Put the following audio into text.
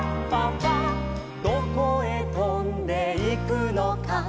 「どこへとんでいくのか」